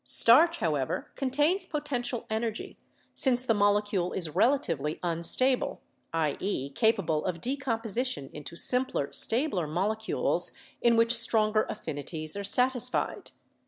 Starch, however, contains potential en ergy, since the molecule is relatively unstable — i.e., capable of decomposition into simpler, stabler molecules in which stronger affinities are satisfied.